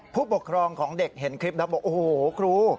ผู้ปกครองของเด็กเห็นคลิปแล้วบอกโอ้โหครู